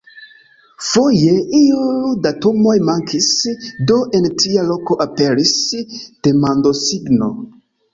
Foje iuj datumoj mankis, do en tia loko aperis demandosigno.